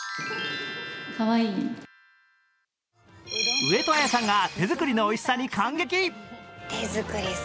上戸彩さんが手作りのおいしさに感激。